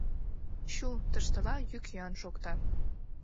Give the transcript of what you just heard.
Чу, тыштыла йӱк-йӱан шокта.